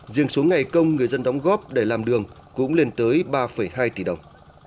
riêng số ngày công người dân đóng góp để làm đường cũng lên tới ba hai tỷ đồng